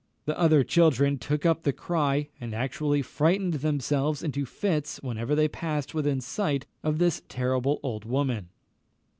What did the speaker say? The other children took up the cry, and actually frightened themselves into fits whenever they passed within sight of this terrible old woman.